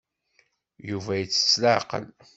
Yuba yettett s leɛqel.